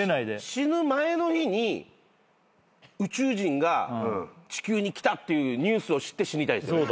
死ぬ前の日に宇宙人が地球に来たってニュースを知って死にたいですよね。